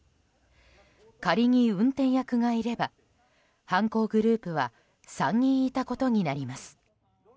仮に運転役がいれば犯行グループは３人いたことになります。